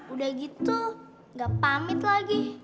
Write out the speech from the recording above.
udah gitu gak pamit lagi